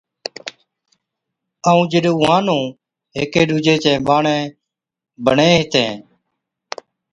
ائُون جِڏَ اُونھان نُون ھيڪي ڏُوجي چين ٻاڙي بَڻين ھِتين